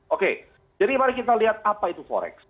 oke jadi mari kita lihat apa itu forex